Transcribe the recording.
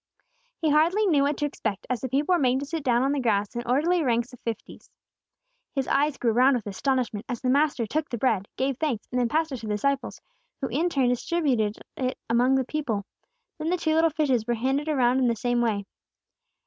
He hardly knew what to expect as the people were made to sit down on the grass in orderly ranks of fifties. His eyes grew round with astonishment as the Master took the bread, gave thanks, and then passed it to the disciples, who, in turn, distributed it among the people. Then the two little fishes were handed around in the same way.